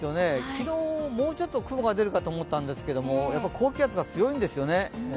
昨日、もうちょっと雲が出るかと思ったんですが高気圧が強いんですよね。